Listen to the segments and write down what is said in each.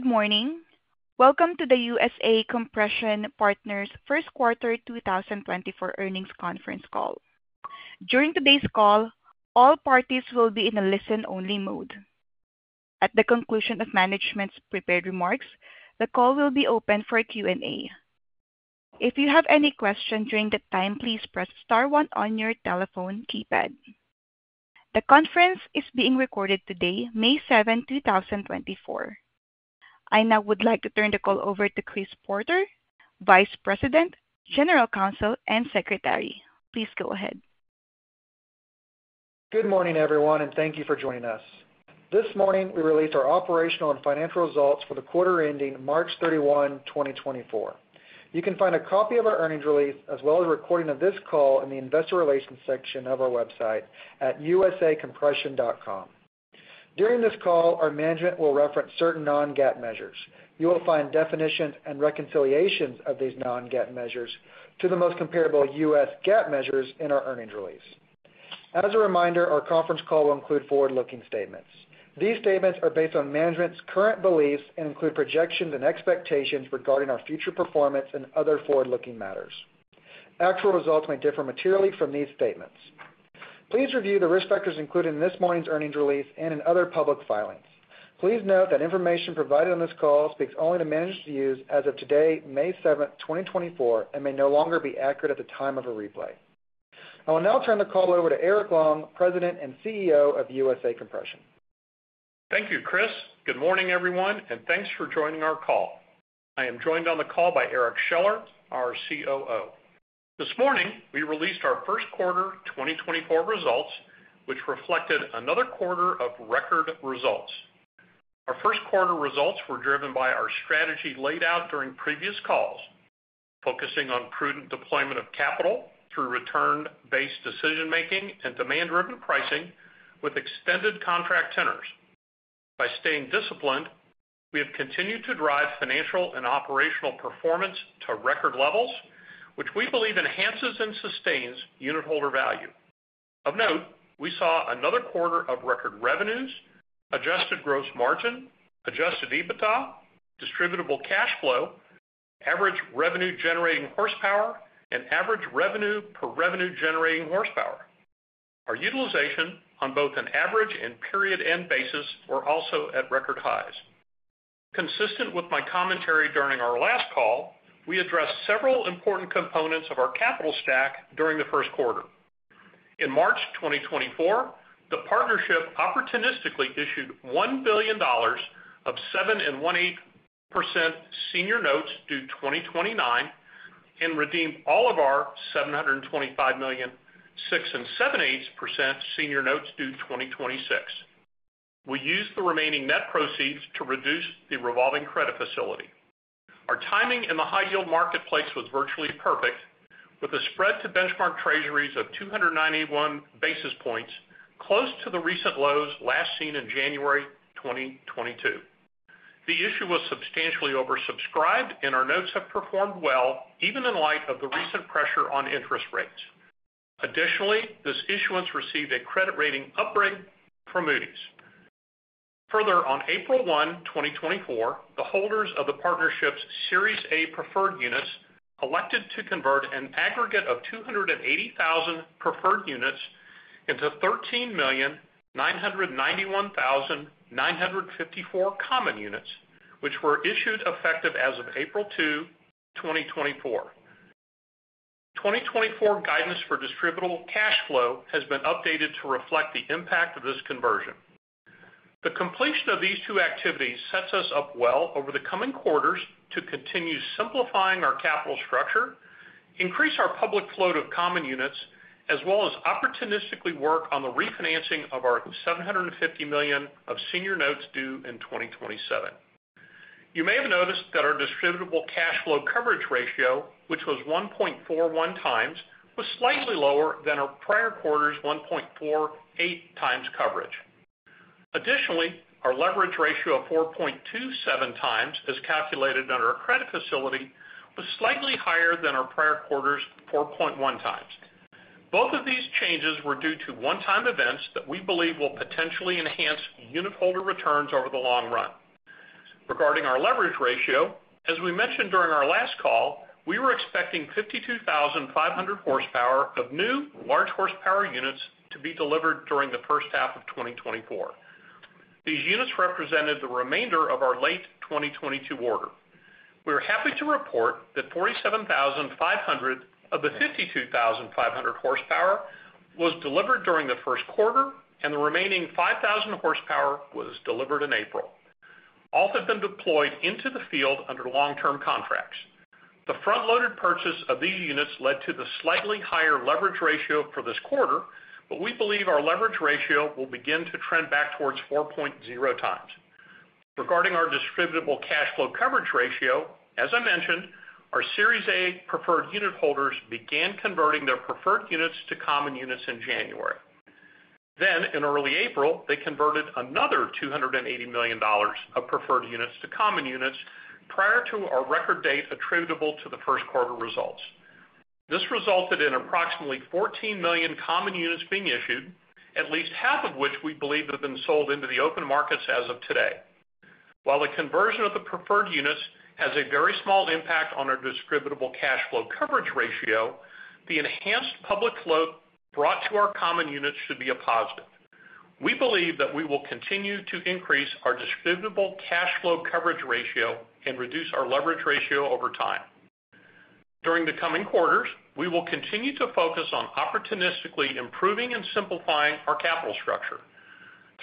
Good morning. Welcome to the USA Compression Partners First Quarter 2024 Earnings Conference Call. During today's call, all parties will be in a listen-only mode. At the conclusion of management's prepared remarks, the call will be open for Q&A. If you have any question during that time, please press star one on your telephone keypad. The conference is being recorded today, May 7th, 2024. I now would like to turn the call over to Chris Porter, Vice President, General Counsel, and Secretary. Please go ahead. Good morning, everyone, and thank you for joining us. This morning, we released our operational and financial results for the quarter ending March 31, 2024. You can find a copy of our earnings release, as well as a recording of this call, in the investor relations section of our website at usacompression.com. During this call, our management will reference certain non-GAAP measures. You will find definitions and reconciliations of these non-GAAP measures to the most comparable U.S. GAAP measures in our earnings release. As a reminder, our conference call will include forward-looking statements. These statements are based on management's current beliefs and include projections and expectations regarding our future performance and other forward-looking matters. Actual results may differ materially from these statements. Please review the risk factors included in this morning's earnings release and in other public filings. Please note that information provided on this call speaks only to managed views as of today, May 7, 2024, and may no longer be accurate at the time of a replay. I will now turn the call over to Eric Long, President and CEO of USA Compression. Thank you, Chris. Good morning, everyone, and thanks for joining our call. I am joined on the call by Eric Scheller, our COO. This morning, we released our first quarter 2024 results, which reflected another quarter of record results. Our first quarter results were driven by our strategy laid out during previous calls, focusing on prudent deployment of capital through return-based decision-making and demand-driven pricing with extended contract tenors. By staying disciplined, we have continued to drive financial and operational performance to record levels, which we believe enhances and sustains unitholder value. Of note, we saw another quarter of record revenues, Adjusted Gross Margin, Adjusted EBITDA, Distributable Cash Flow, average revenue-generating horsepower, and average revenue per revenue-generating horsepower. Our utilization on both an average and period-end basis were also at record highs. Consistent with my commentary during our last call, we addressed several important components of our capital stack during the first quarter. In March 2024, the partnership opportunistically issued $1 billion of 7.18% senior notes due 2029 and redeemed all of our $725 million, 6.875% senior notes due 2026. We used the remaining net proceeds to reduce the revolving credit facility. Our timing in the high yield marketplace was virtually perfect, with a spread to benchmark Treasuries of 291 basis points, close to the recent lows last seen in January 2022. The issue was substantially oversubscribed, and our notes have performed well, even in light of the recent pressure on interest rates. Additionally, this issuance received a credit rating upgrade from Moody's. Further, on April 1, 2024, the holders of the partnership's Series A preferred units elected to convert an aggregate of 280,000 preferred units into 13,991,954 common units, which were issued effective as of April 2, 2024. 2024 guidance for distributable cash flow has been updated to reflect the impact of this conversion. The completion of these two activities sets us up well over the coming quarters to continue simplifying our capital structure, increase our public float of common units, as well as opportunistically work on the refinancing of our $750 million of senior notes due in 2027. You may have noticed that our distributable cash flow coverage ratio, which was 1.41 times, was slightly lower than our prior quarter's 1.48 times coverage. Additionally, our leverage ratio of 4.27 times, as calculated under our credit facility, was slightly higher than our prior quarter's 4.1 times. Both of these changes were due to one-time events that we believe will potentially enhance unitholder returns over the long run. Regarding our leverage ratio, as we mentioned during our last call, we were expecting 52,500 horsepower of new large horsepower units to be delivered during the first half of 2024. These units represented the remainder of our late 2022 order. We are happy to report that 47,500 of the 52,500 horsepower was delivered during the first quarter, and the remaining 5,000 horsepower was delivered in April. All have been deployed into the field under long-term contracts. The front-loaded purchase of these units led to the slightly higher leverage ratio for this quarter, but we believe our leverage ratio will begin to trend back towards 4.0 times. Regarding our distributable cash flow coverage ratio, as I mentioned, our Series A preferred unitholders began converting their preferred units to common units in January. Then, in early April, they converted another $280 million of preferred units to common units prior to our record date attributable to the first quarter results. This resulted in approximately 14 million common units being issued, at least half of which we believe have been sold into the open markets as of today. While the conversion of the preferred units has a very small impact on our distributable cash flow coverage ratio, the enhanced public float brought to our common units should be a positive. We believe that we will continue to increase our distributable cash flow coverage ratio and reduce our leverage ratio over time. During the coming quarters, we will continue to focus on opportunistically improving and simplifying our capital structure.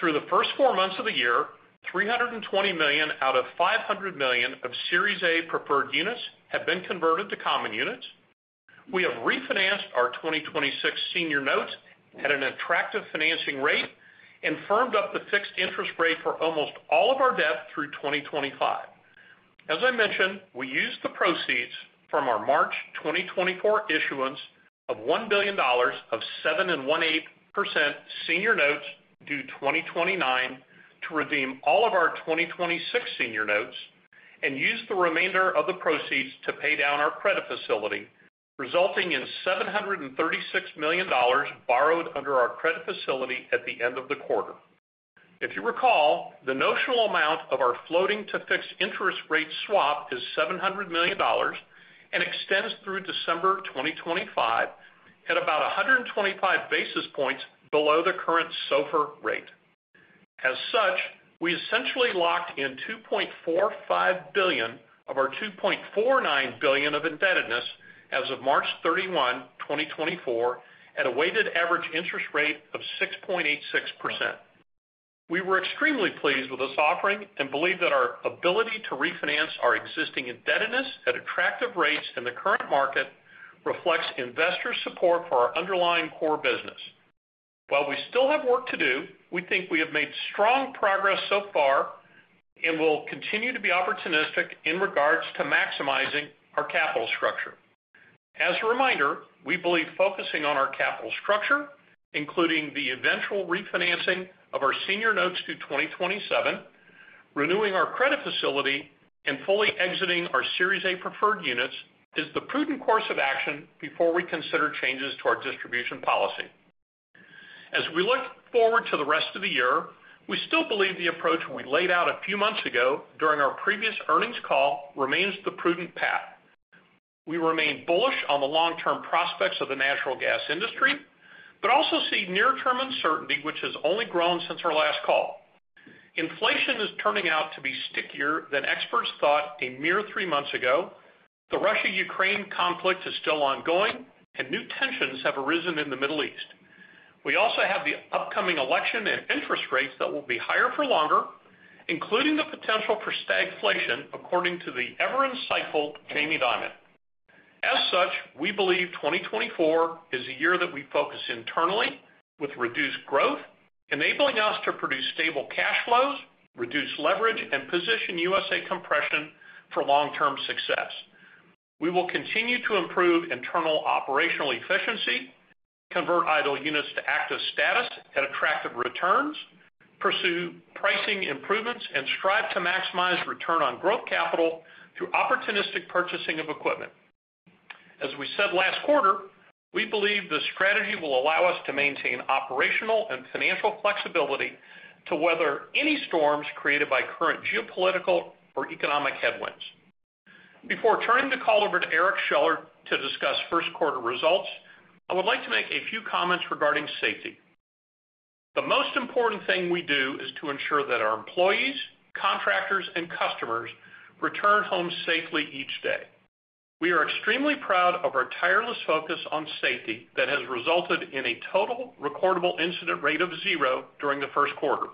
Through the first four months of the year, 320 million out of 500 million of Series A Preferred Units have been converted to common units. We have refinanced our 2026 Senior Notes at an attractive financing rate and firmed up the fixed interest rate for almost all of our debt through 2025. As I mentioned, we used the proceeds from our March 2024 issuance of $1 billion of 7.18% senior notes, due 2029, to redeem all of our 2026 senior notes and use the remainder of the proceeds to pay down our credit facility, resulting in $736 million borrowed under our credit facility at the end of the quarter. If you recall, the notional amount of our floating to fixed interest rate swap is $700 million and extends through December 2025 at about 125 basis points below the current SOFR rate. As such, we essentially locked in $2.45 billion of our $2.49 billion of indebtedness as of March 31, 2024, at a weighted average interest rate of 6.86%. We were extremely pleased with this offering and believe that our ability to refinance our existing indebtedness at attractive rates in the current market reflects investor support for our underlying core business. While we still have work to do, we think we have made strong progress so far and will continue to be opportunistic in regards to maximizing our capital structure. As a reminder, we believe focusing on our capital structure, including the eventual refinancing of our Senior notes to 2027, renewing our credit facility, and fully exiting our Series A Preferred Units, is the prudent course of action before we consider changes to our distribution policy. As we look forward to the rest of the year, we still believe the approach we laid out a few months ago during our previous earnings call remains the prudent path. We remain bullish on the long-term prospects of the natural gas industry, but also see near-term uncertainty, which has only grown since our last call. Inflation is turning out to be stickier than experts thought a mere three months ago. The Russia-Ukraine conflict is still ongoing, and new tensions have arisen in the Middle East. We also have the upcoming election and interest rates that will be higher for longer, including the potential for stagflation, according to the ever-insightful Jamie Dimon. As such, we believe 2024 is a year that we focus internally with reduced growth, enabling us to produce stable cash flows, reduce leverage, and position USA Compression for long-term success. We will continue to improve internal operational efficiency, convert idle units to active status at attractive returns, pursue pricing improvements, and strive to maximize return on growth capital through opportunistic purchasing of equipment. As we said last quarter, we believe this strategy will allow us to maintain operational and financial flexibility to weather any storms created by current geopolitical or economic headwinds. Before turning the call over to Eric Scheller to discuss first quarter results, I would like to make a few comments regarding safety. The most important thing we do is to ensure that our employees, contractors, and customers return home safely each day. We are extremely proud of our tireless focus on safety that has resulted in a total recordable incident rate of zero during the first quarter.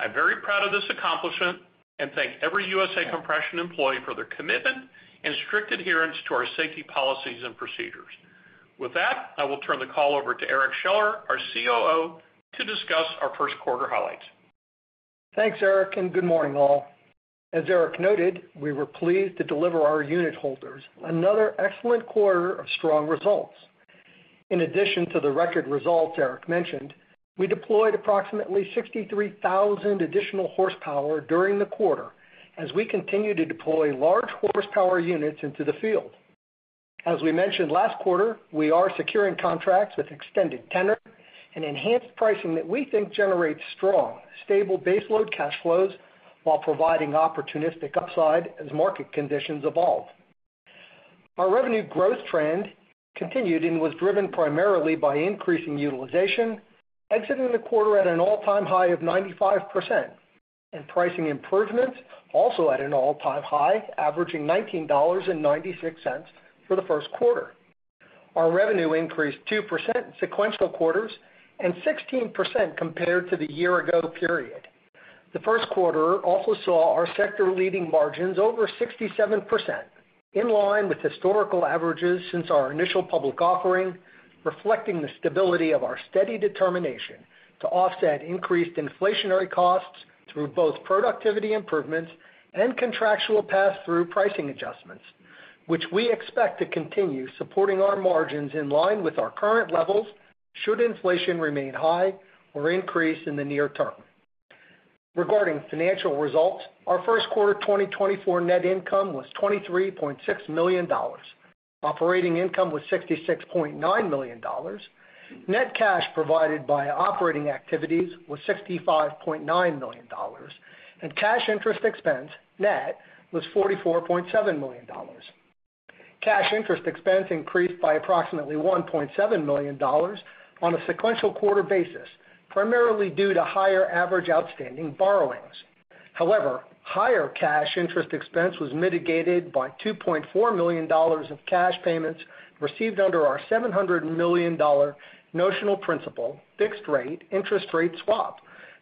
I'm very proud of this accomplishment and thank every USA Compression employee for their commitment and strict adherence to our safety policies and procedures. With that, I will turn the call over to Eric Scheller, our COO, to discuss our first quarter highlights. Thanks, Eric, and good morning, all. As Eric noted, we were pleased to deliver our unitholders another excellent quarter of strong results. In addition to the record results Eric mentioned, we deployed approximately 63,000 additional horsepower during the quarter as we continue to deploy large horsepower units into the field. As we mentioned last quarter, we are securing contracts with extended tenor and enhanced pricing that we think generates strong, stable baseload cash flows while providing opportunistic upside as market conditions evolve. Our revenue growth trend continued and was driven primarily by increasing utilization, exiting the quarter at an all-time high of 95%, and pricing improvements, also at an all-time high, averaging $19.96 for the first quarter. Our revenue increased 2% in sequential quarters and 16% compared to the year-ago period. The first quarter also saw our sector leading margins over 67%, in line with historical averages since our initial public offering, reflecting the stability of our steady determination to offset increased inflationary costs through both productivity improvements and contractual pass-through pricing adjustments, which we expect to continue supporting our margins in line with our current levels, should inflation remain high or increase in the near term. Regarding financial results, our first quarter 2024 net income was $23.6 million. Operating income was $66.9 million. Net cash provided by operating activities was $65.9 million, and cash interest expense net was $44.7 million. Cash interest expense increased by approximately $1.7 million on a sequential quarter basis, primarily due to higher average outstanding borrowings. However, higher cash interest expense was mitigated by $2.4 million of cash payments received under our $700 million notional principal, fixed rate, interest rate swap,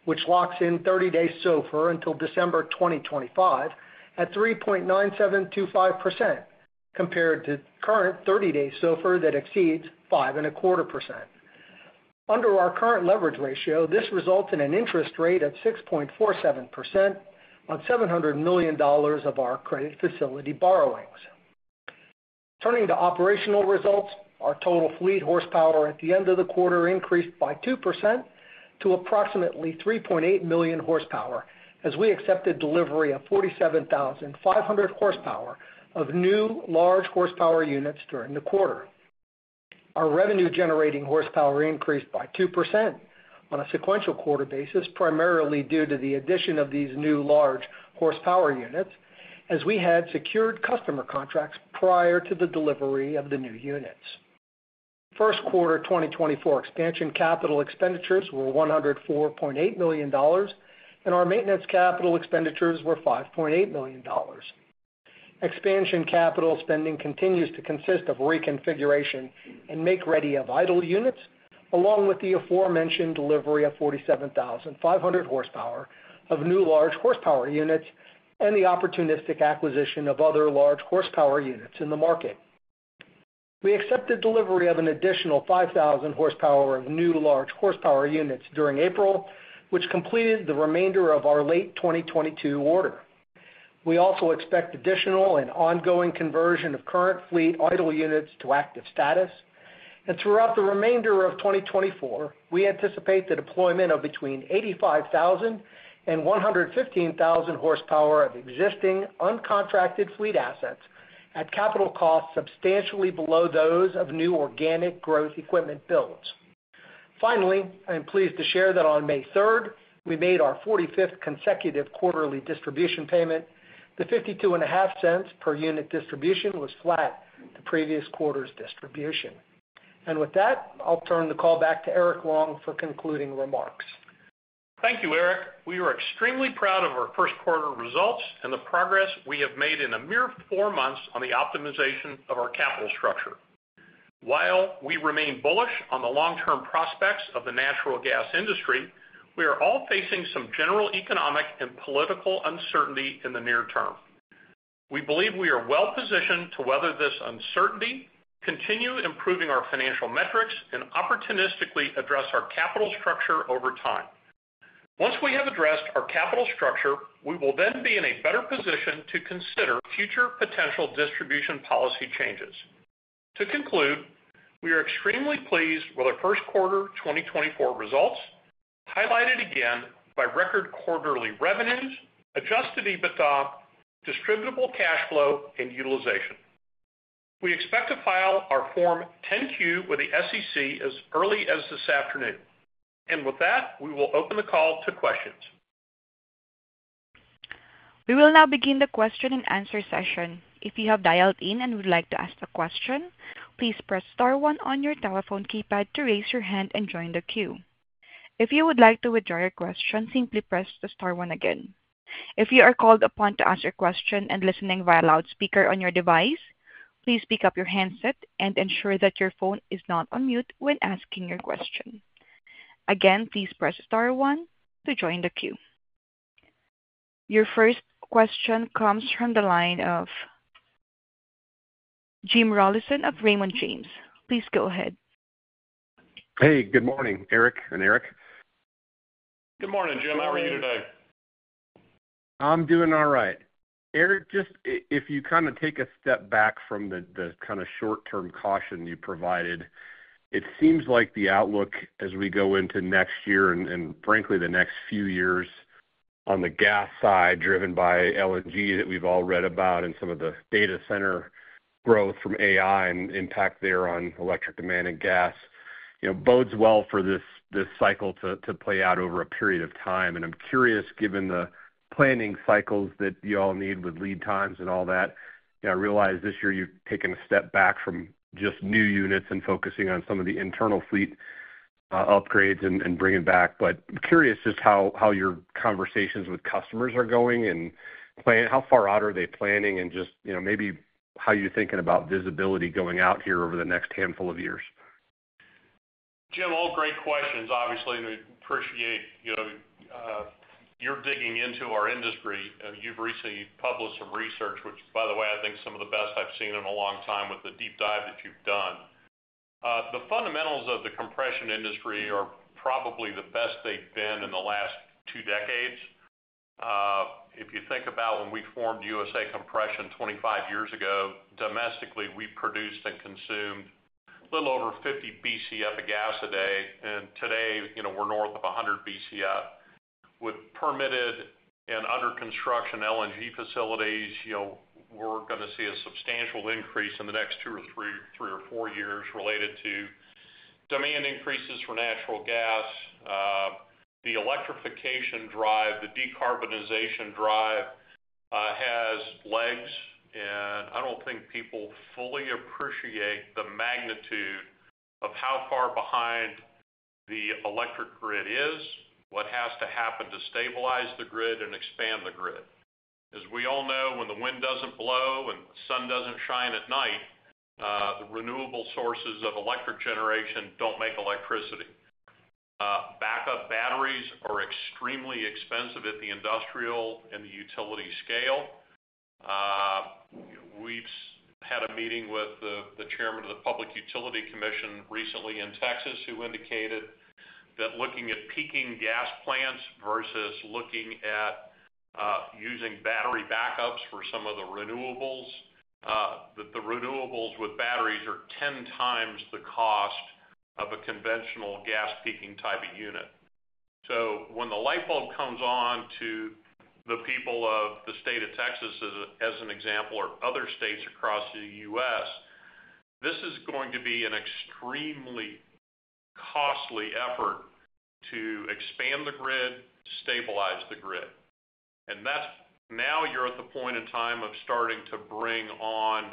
which locks in thirty-day SOFR until December 2025, at 3.9725%, compared to current thirty-day SOFR that exceeds 5.25%. Under our current leverage ratio, this results in an interest rate of 6.47% on $700 million of our credit facility borrowings. Turning to operational results, our total fleet horsepower at the end of the quarter increased by 2% to approximately 3.8 million horsepower, as we accepted delivery of 47,500 horsepower of new large horsepower units during the quarter. Our revenue-generating horsepower increased by 2% on a sequential quarter basis, primarily due to the addition of these new large horsepower units, as we had secured customer contracts prior to the delivery of the new units. First quarter 2024 expansion capital expenditures were $104.8 million, and our maintenance capital expenditures were $5.8 million. Expansion capital spending continues to consist of reconfiguration and make-ready of idle units, along with the aforementioned delivery of 47,500 horsepower of new large horsepower units and the opportunistic acquisition of other large horsepower units in the market. We accepted delivery of an additional 5,000 horsepower of new large horsepower units during April, which completed the remainder of our late 2022 order. We also expect additional and ongoing conversion of current fleet idle units to active status. Throughout the remainder of 2024, we anticipate the deployment of between 85,000 and 115,000 horsepower of existing uncontracted fleet assets at capital costs substantially below those of new organic growth equipment builds. Finally, I am pleased to share that on May third, we made our 45th consecutive quarterly distribution payment. The $0.525 per unit distribution was flat, the previous quarter's distribution. With that, I'll turn the call back to Eric Long for concluding remarks. Thank you, Eric. We are extremely proud of our first quarter results and the progress we have made in a mere four months on the optimization of our capital structure. While we remain bullish on the long-term prospects of the natural gas industry, we are all facing some general economic and political uncertainty in the near term. We believe we are well positioned to weather this uncertainty, continue improving our financial metrics, and opportunistically address our capital structure over time. Once we have addressed our capital structure, we will then be in a better position to consider future potential distribution policy changes. To conclude, we are extremely pleased with our first quarter 2024 results, highlighted again by record quarterly revenues, Adjusted EBITDA, distributable cash flow, and utilization. We expect to file our Form 10-Q with the SEC as early as this afternoon. With that, we will open the call to questions. We will now begin the question-and-answer session. If you have dialed in and would like to ask a question, please press star one on your telephone keypad to raise your hand and join the queue. If you would like to withdraw your question, simply press the star one again. If you are called upon to ask your question and listening via loudspeaker on your device, please pick up your handset and ensure that your phone is not on mute when asking your question. Again, please press star one to join the queue. Your first question comes from the line of Jim Rollyson of Raymond James. Please go ahead. Hey, good morning, Eric and Eric. Good morning, Jim. How are you today? I'm doing all right. Eric, just if you kind of take a step back from the kind of short-term caution you provided, it seems like the outlook as we go into next year and frankly, the next few years on the gas side, driven by LNG that we've all read about and some of the data center growth from AI and impact there on electric demand and gas, you know, bodes well for this cycle to play out over a period of time. And I'm curious, given the planning cycles that you all need with lead times and all that, I realize this year you've taken a step back from just new units and focusing on some of the internal fleet upgrades and bringing back. But I'm curious just how your conversations with customers are going and how far out are they planning? And just, you know, maybe how you're thinking about visibility going out here over the next handful of years. Jim, all great questions. Obviously, we appreciate, you know, you're digging into our industry. You've recently published some research, which, by the way, I think some of the best I've seen in a long time, with the deep dive that you've done. The fundamentals of the compression industry are probably the best they've been in the last two decades. If you think about when we formed USA Compression 25 years ago, domestically, we produced and consumed a little over 50 Bcf of gas a day, and today, you know, we're north of 100 Bcf. With permitted and under construction LNG facilities, you know, we're gonna see a substantial increase in the next two or three, three or four years related to demand increases for natural gas. The electrification drive, the decarbonization drive, has legs, and I don't think people fully appreciate the magnitude of how far behind the electric grid is, what has to happen to stabilize the grid and expand the grid. As we all know, when the wind doesn't blow and the sun doesn't shine at night, the renewable sources of electric generation don't make electricity. Backup batteries are extremely expensive at the industrial and the utility scale. We've had a meeting with the chairman of the Public Utility Commission recently in Texas, who indicated that looking at peaking gas plants versus looking at, using battery backups for some of the renewables, that the renewables with batteries are 10 times the cost of a conventional gas peaking type of unit. So when the light bulb comes on to the people of the state of Texas, as an example, or other states across the U.S., this is going to be an extremely costly effort to expand the grid, stabilize the grid. And that's now you're at the point in time of starting to bring on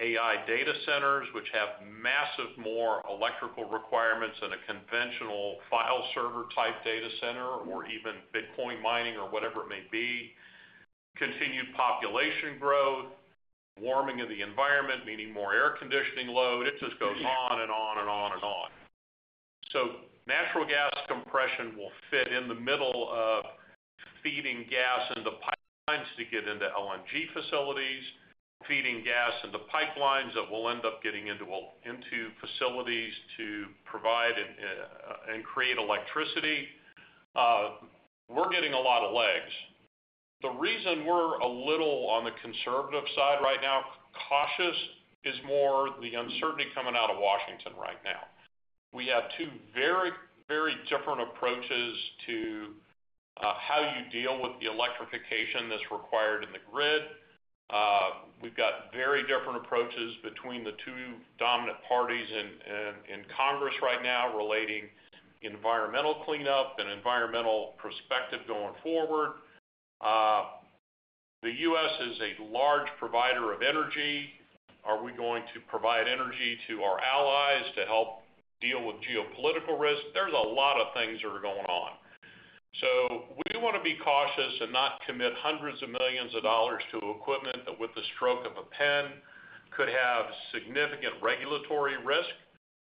AI data centers, which have massive more electrical requirements than a conventional file server type data center, or even Bitcoin mining or whatever it may be. Continued population growth, warming of the environment, meaning more air conditioning load. It just goes on and on and on and on. So natural gas compression will fit in the middle of feeding gas into pipelines to get into LNG facilities, feeding gas into pipelines that will end up getting into all into facilities to provide and, and create electricity. We're getting a lot of legs. The reason we're a little on the conservative side right now, cautious, is more the uncertainty coming out of Washington right now. We have two very, very different approaches to how you deal with the electrification that's required in the grid. We've got very different approaches between the two dominant parties in Congress right now, relating environmental cleanup and environmental perspective going forward. The U.S. is a large provider of energy. Are we going to provide energy to our allies to help deal with geopolitical risk? There's a lot of things that are going on. So we want to be cautious and not commit $hundreds of millions to equipment that, with the stroke of a pen, could have significant regulatory risk.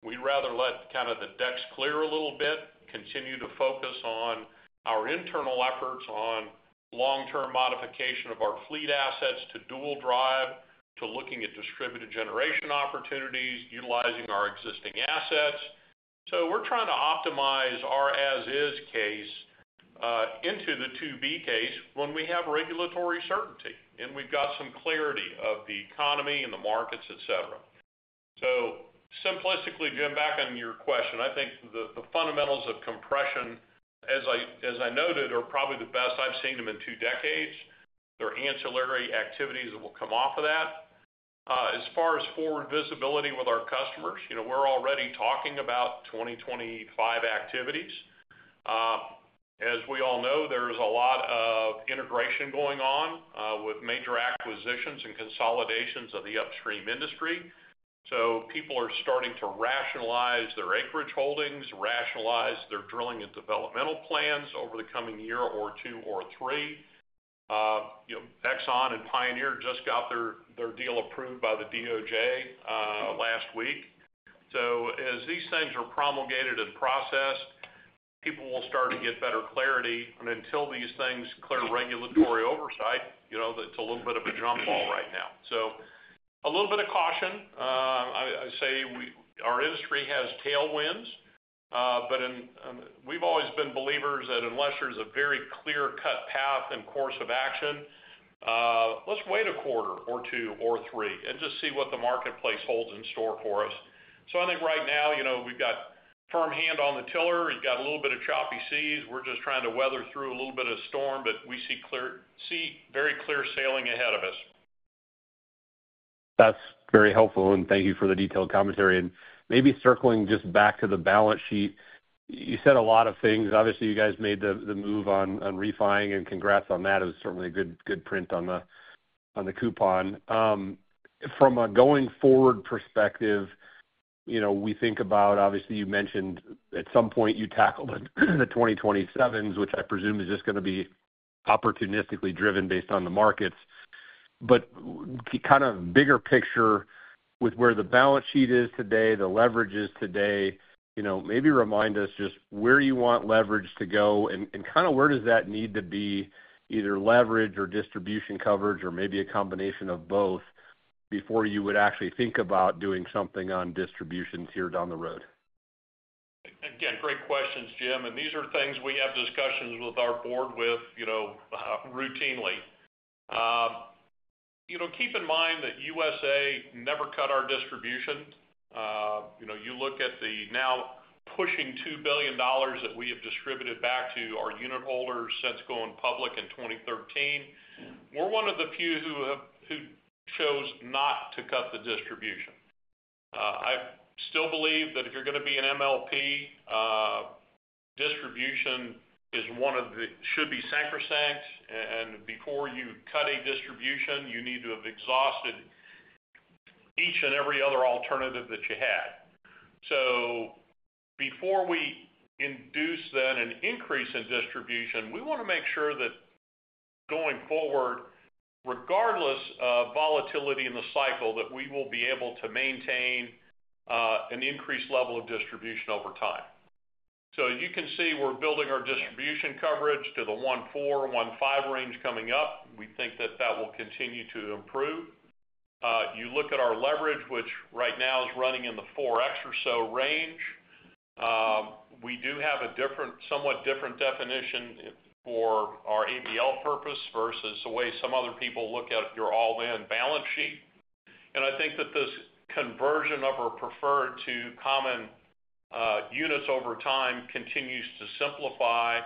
We'd rather let kind of the decks clear a little bit, continue to focus on our internal efforts on long-term modification of our fleet assets to dual drive, to looking at distributed generation opportunities, utilizing our existing assets. So we're trying to optimize our as is case into the to-be case when we have regulatory certainty, and we've got some clarity of the economy and the markets, et cetera. So simplistically, Jim, back on your question, I think the fundamentals of compression, as I noted, are probably the best I've seen them in two decades. There are ancillary activities that will come off of that. As far as forward visibility with our customers, you know, we're already talking about 2025 activities. As we all know, there's a lot of integration going on with major acquisitions and consolidations of the upstream industry. So people are starting to rationalize their acreage holdings, rationalize their drilling and developmental plans over the coming year or two or three. You know, Exxon and Pioneer just got their, their deal approved by the DOJ last week. So as these things are promulgated and processed, people will start to get better clarity. And until these things clear regulatory oversight, you know, that's a little bit of a jump ball right now. So a little bit of caution. I'd say our industry has tailwinds, but we've always been believers that unless there's a very clear-cut path and course of action, let's wait a quarter or two or three and just see what the marketplace holds in store for us. So I think right now, you know, we've got firm hand on the tiller. We've got a little bit of choppy seas. We're just trying to weather through a little bit of storm, but we see very clear sailing ahead of us. That's very helpful, and thank you for the detailed commentary. Maybe circling just back to the balance sheet, you said a lot of things. Obviously, you guys made the move on refi-ing, and congrats on that. It was certainly a good print on the coupon. From a going forward perspective, you know, we think about obviously, you mentioned at some point you tackled the 2027s, which I presume is just gonna be opportunistically driven based on the markets. But kind of bigger picture with where the balance sheet is today, the leverage is today, you know, maybe remind us just where you want leverage to go and kind of where does that need to be, either leverage or distribution coverage, or maybe a combination of both, before you would actually think about doing something on distributions here down the road?... Again, great questions, Jim, and these are things we have discussions with our board with, you know, routinely. You know, keep in mind that USA never cut our distribution. You know, you look at the now pushing $2 billion that we have distributed back to our unit holders since going public in 2013. We're one of the few who chose not to cut the distribution. I still believe that if you're gonna be an MLP, distribution is one of the should be sacrosanct, and before you cut a distribution, you need to have exhausted each and every other alternative that you had. So before we induce then an increase in distribution, we wanna make sure that going forward, regardless of volatility in the cycle, that we will be able to maintain an increased level of distribution over time. So you can see we're building our distribution coverage to the 1.4-1.5 range coming up. We think that that will continue to improve. You look at our leverage, which right now is running in the 4x or so range. We do have a different, somewhat different definition for our ABL purpose versus the way some other people look at your all-in balance sheet. And I think that this conversion of our preferred to common units over time continues to simplify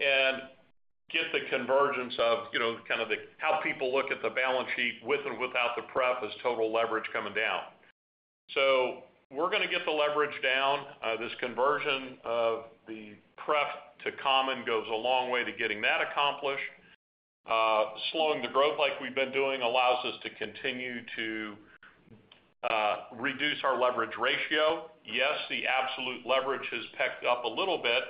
and get the convergence of, you know, kind of the, how people look at the balance sheet with or without the prep as total leverage coming down. So we're gonna get the leverage down. This conversion of the prep to common goes a long way to getting that accomplished. Slowing the growth like we've been doing allows us to continue to reduce our leverage ratio. Yes, the absolute leverage has picked up a little bit,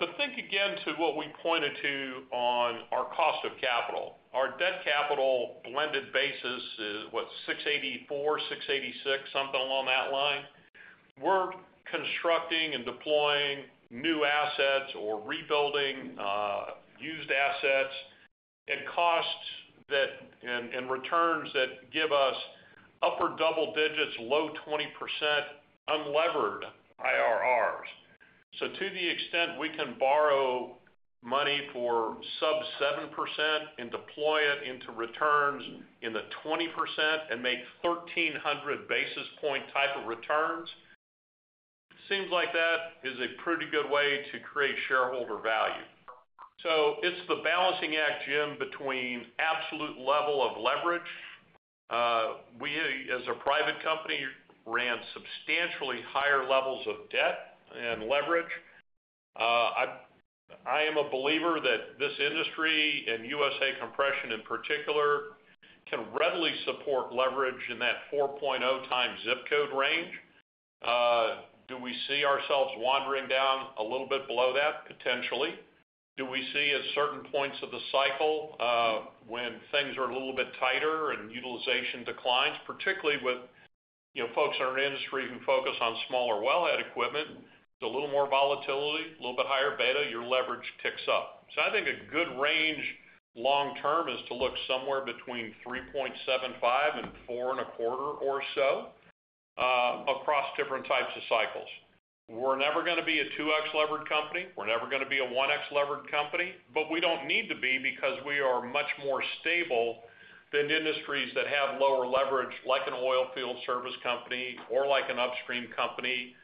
but think again to what we pointed to on our cost of capital. Our debt capital blended basis is, what? 6.84, 6.86, something along that line. We're constructing and deploying new assets or rebuilding used assets at costs that and returns that give us upper double digits, low 20% unlevered IRRs. So to the extent we can borrow money for sub-7% and deploy it into returns in the 20% and make 1,300 basis points type of returns, seems like that is a pretty good way to create shareholder value. So it's the balancing act, Jim, between absolute level of leverage. We, as a private company, ran substantially higher levels of debt and leverage. I am a believer that this industry and USA Compression, in particular, can readily support leverage in that 4.0x zip code range. Do we see ourselves wandering down a little bit below that? Potentially. Do we see at certain points of the cycle, when things are a little bit tighter and utilization declines, particularly with, you know, folks in our industry who focus on smaller wellhead equipment, it's a little more volatility, a little bit higher beta, your leverage ticks up. So I think a good range long term is to look somewhere between 3.75x and 4.25x or so, across different types of cycles. We're never gonna be a 2x levered company. We're never gonna be a 1x levered company, but we don't need to be because we are much more stable than industries that have lower leverage, like an oil field service company or like an upstream company,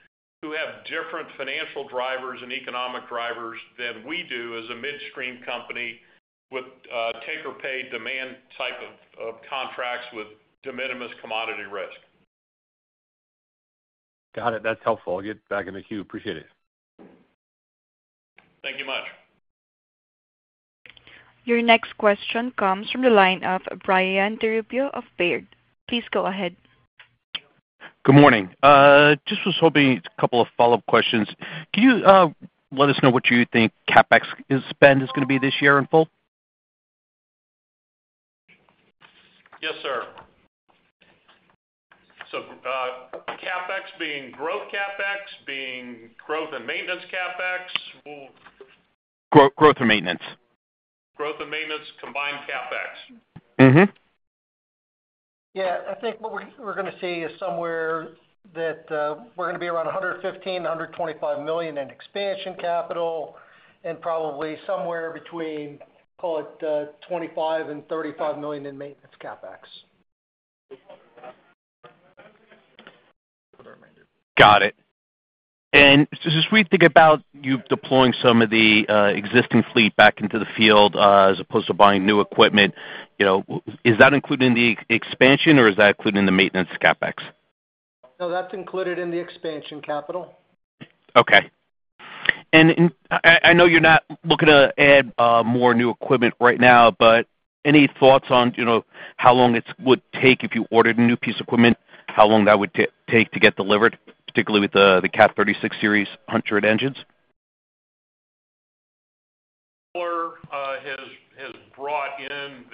who have different financial drivers and economic drivers than we do as a midstream company with take or pay demand type of contracts with de minimis commodity risk. Got it. That's helpful. I'll get back in the queue. Appreciate it. Thank you much. Your next question comes from the line of Brian DiRubbio of Baird. Please go ahead. Good morning. Just was hoping a couple of follow-up questions. Can you let us know what you think CapEx spend is gonna be this year in full? Yes, sir. So, CapEx being growth CapEx, being growth and maintenance CapEx? We'll- Growth and maintenance. Growth and maintenance, combined CapEx. Mm-hmm. Yeah, I think what we're gonna be around $115 million-$125 million in expansion capital, and probably somewhere between, call it, $25 million-$35 million in maintenance CapEx. Got it. And so as we think about you deploying some of the existing fleet back into the field, as opposed to buying new equipment, you know, what is that included in the expansion, or is that included in the maintenance CapEx? No, that's included in the expansion capital. Okay. I know you're not looking to add more new equipment right now, but any thoughts on, you know, how long it would take if you ordered a new piece of equipment, how long that would take to get delivered, particularly with the Cat 3600 series engines? Has brought in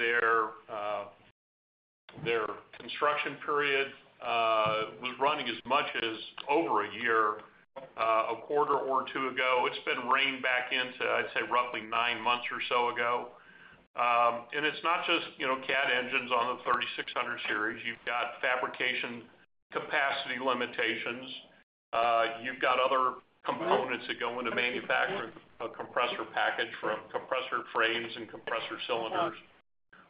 their construction period was running as much as over a year, a quarter or two ago. It's been reined back into, I'd say, roughly 9 months or so ago. And it's not just, you know, Cat engines on the 3,600 series. You've got fabrication capacity limitations, you've got other components that go into manufacturing a compressor package from compressor frames and compressor cylinders.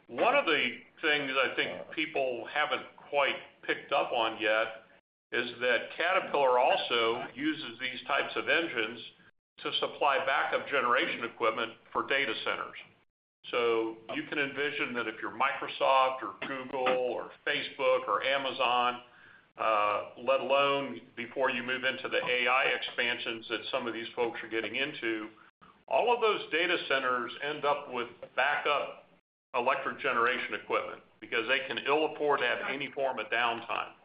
One of the things I think people haven't quite picked up on yet is that Caterpillar also uses these types of engines to supply backup generation equipment for data centers. You can envision that if you're Microsoft or Google or Facebook or Amazon, let alone before you move into the AI expansions that some of these folks are getting into, all of those data centers end up with backup electric generation equipment because they can ill afford to have any form of downtime.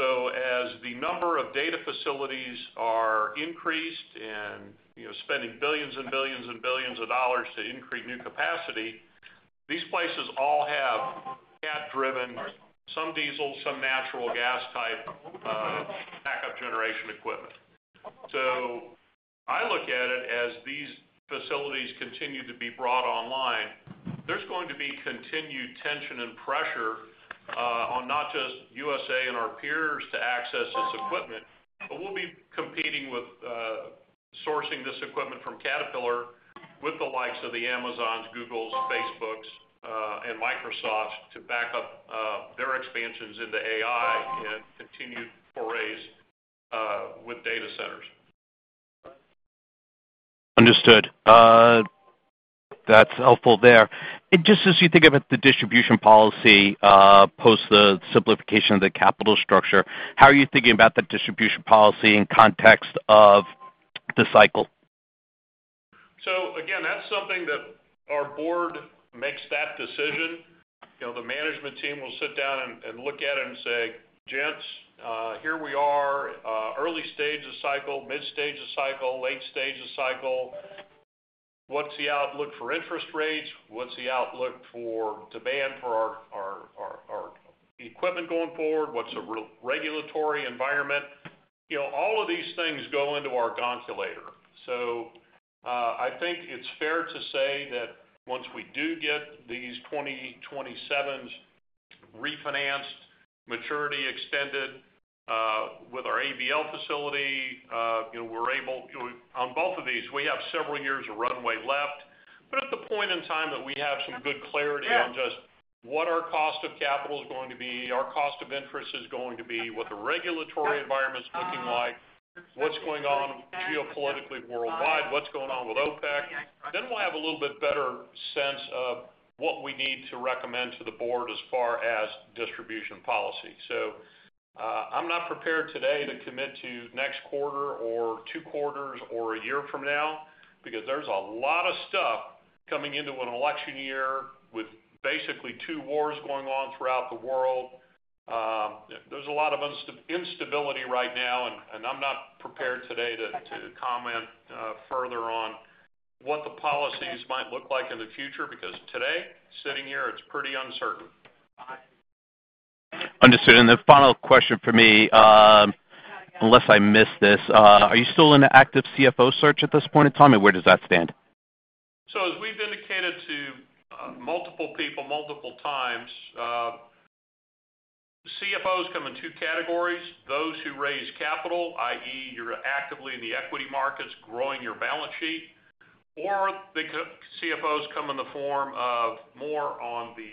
As the number of data facilities are increased and, you know, spending $billions and $billions and $billions to increase new capacity, these places all have Cat-driven, some diesel, some natural gas type, backup generation equipment. So I look at it as these facilities continue to be brought online, there's going to be continued tension and pressure on not just USA and our peers to access this equipment, but we'll be competing with sourcing this equipment from Caterpillar with the likes of the Amazons, Googles, Facebooks, and Microsoft to back up their expansions into AI and continued forays with data centers. Understood. That's helpful there. Just as you think about the distribution policy post the simplification of the capital structure, how are you thinking about the distribution policy in context of the cycle? So again, that's something that our board makes that decision. You know, the management team will sit down and look at it and say, "Gents, here we are, early stage of cycle, midstage of cycle, late stage of cycle. What's the outlook for interest rates? What's the outlook for demand for our equipment going forward? What's the regulatory environment?" You know, all of these things go into our calculator. So, I think it's fair to say that once we do get these 2027s refinanced, maturity extended, with our ABL facility, you know, we're able... On both of these, we have several years of runway left. But at the point in time that we have some good clarity on just what our cost of capital is going to be, our cost of interest is going to be, what the regulatory environment's looking like, what's going on geopolitically, worldwide, what's going on with OPEC, then we'll have a little bit better sense of what we need to recommend to the board as far as distribution policy. So, I'm not prepared today to commit to next quarter or two quarters or a year from now, because there's a lot of stuff coming into an election year with basically two wars going on throughout the world. There's a lot of instability right now, and I'm not prepared today to comment further on what the policies might look like in the future, because today, sitting here, it's pretty uncertain. Understood. The final question for me, unless I missed this, are you still in an active CFO search at this point in time? Where does that stand? So as we've indicated to multiple people, multiple times, CFOs come in two categories, those who raise capital, i.e., you're actively in the equity markets, growing your balance sheet, or the CFOs come in the form of more on the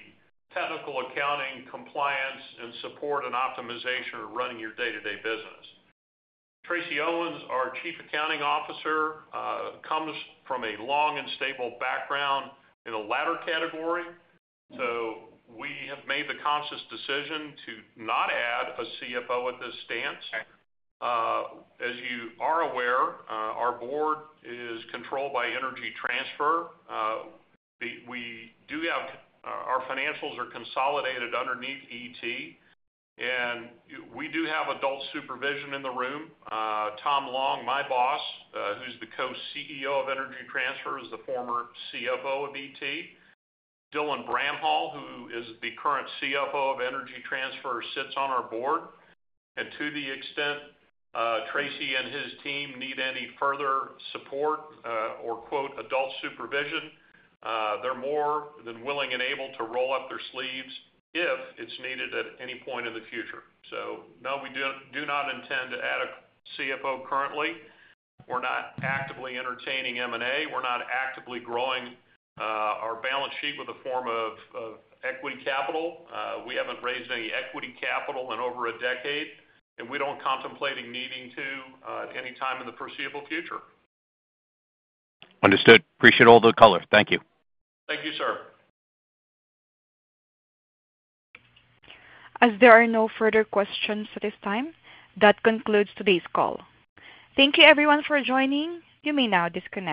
technical accounting, compliance, and support and optimization of running your day-to-day business. Tracy Owens, our Chief Accounting Officer, comes from a long and stable background in the latter category, so we have made the conscious decision to not add a CFO at this stage. As you are aware, our board is controlled by Energy Transfer. We do have our financials consolidated underneath ET, and we do have adult supervision in the room. Tom Long, my boss, who's the Co-CEO of Energy Transfer, is the former CFO of ET. Dylan Bramhall, who is the current CFO of Energy Transfer, sits on our board. And to the extent, Tracy and his team need any further support, or quote, "adult supervision," they're more than willing and able to roll up their sleeves if it's needed at any point in the future. So no, we do not intend to add a CFO currently. We're not actively entertaining M&A. We're not actively growing, our balance sheet with a form of equity capital. We haven't raised any equity capital in over a decade, and we're not contemplating needing to, at any time in the foreseeable future. Understood. Appreciate all the color. Thank you. Thank you, sir. As there are no further questions at this time, that concludes today's call. Thank you everyone for joining. You may now disconnect.